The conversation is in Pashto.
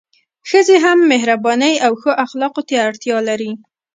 ښځي هم مهربانۍ او ښو اخلاقو ته اړتیا لري